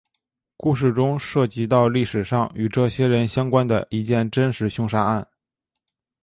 故事中涉及到历史上与这些人相关的一件真实凶杀案。